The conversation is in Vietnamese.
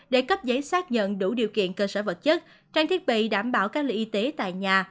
để cấp giấy xác nhận đủ điều kiện cơ sở vật chất trang thiết bị đảm bảo các lễ y tế tại nhà